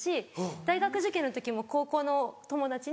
大学受験の時も高校の友達に。